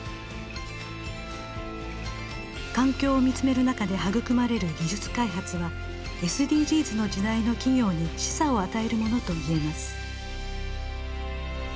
環境を見つめる中で育まれる技術開発はＳＤＧｓの時代の企業に示唆を与えるものといえます。